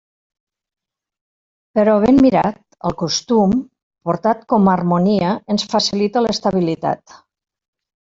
Però, ben mirat, el costum, portat com a harmonia, ens facilita l'estabilitat.